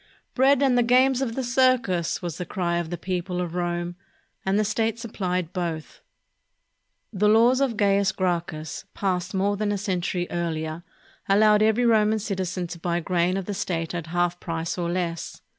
"Bread and the games of the circus!" was the cry of the people of Rome, and the state supplied both. The laws of Caius Gracchus, passed more than a century earlier, allowed every Roman citizen to buy grain of the state at half price or less.